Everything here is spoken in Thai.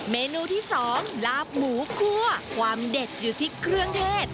เมนูที่๒ลาบหมูคั่วความเด็ดอยู่ที่เครื่องเทศ